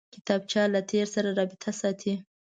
کتابچه له تېر سره رابطه ساتي